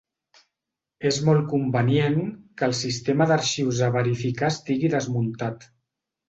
És molt convenient que el sistema d'arxius a verificar estigui desmuntat.